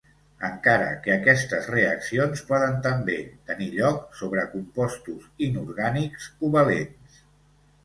Encara que aquestes reaccions poden també tenir lloc sobre compostos inorgànics covalents.